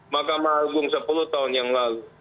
mahkamah agung sepuluh tahun yang lalu